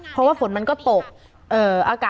เพราะว่าฝนมันก็ตก